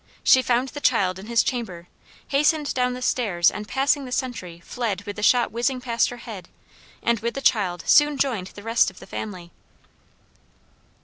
She found the child in his chamber, hastened down stairs and passing the sentry, fled with the shot whizzing past her head, and with the child soon joined the rest of the family.